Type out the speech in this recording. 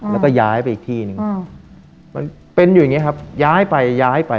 แล้วก็ย้ายไปอีกที่หนึ่งมันเป็นอยู่อย่างนี้ครับย้ายไปย้ายไป